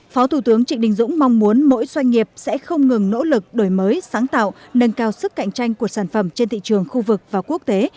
phó thủ tướng trịnh đình dũng mong muốn mỗi doanh nghiệp sẽ không ngừng nỗ lực đổi mới sáng tạo nâng cao sức cạnh tranh của sản phẩm trên thị trường khu vực và quốc tế